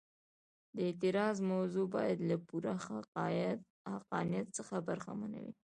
د اعتراض موضوع باید له پوره حقانیت څخه برخمنه وي.